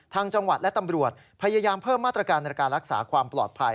ทางจังหวัดและตำรวจพยายามเพิ่มมาตรการในการรักษาความปลอดภัย